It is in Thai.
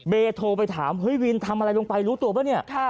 โทรไปถามเฮ้ยวินทำอะไรลงไปรู้ตัวป่ะเนี่ย